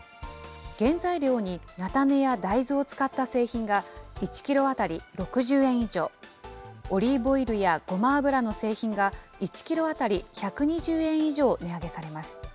原材料に菜種や大豆を使った製品が１キロ当たり６０円以上、オリーブオイルやごま油の製品が、１キロ当たり１２０円以上値上げされます。